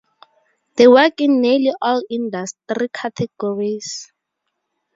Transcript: They work in nearly all industry categories.